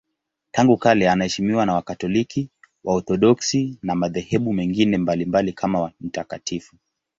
Tangu kale anaheshimiwa na Wakatoliki, Waorthodoksi na madhehebu mengine mbalimbali kama mtakatifu.